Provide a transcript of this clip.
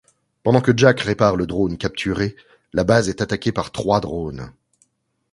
Pendant que Jack répare le drone capturé, la base est attaquée par trois drones.